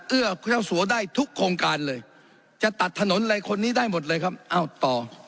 เอ้าเจ้าสัวได้ทุกโครงการเลยจะตัดถนนอะไรคนนี้ได้หมดเลยครับอ้าวต่อ